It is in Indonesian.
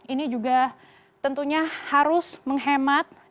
ini juga tentunya harus menghemat biaya hidup